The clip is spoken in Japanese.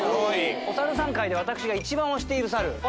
おさるさん界で私が一番推しているサル。